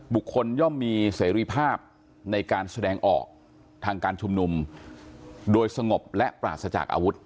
ย่อมมีเสรีภาพในการแสดงออกทางการชุมนุมโดยสงบและปราศจากอาวุธ